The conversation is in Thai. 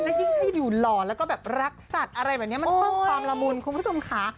และยิ่งถ้าอยู่หล่อแล้วก็แบบรักสัตว์อะไรแบบนี้มันเพิ่มความละมุนคุณผู้ชมค่ะ